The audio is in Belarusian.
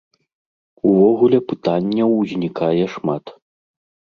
Увогуле пытанняў узнікае шмат.